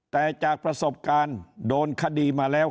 แต่จากประสบการณ์โดนคดีมาแล้ว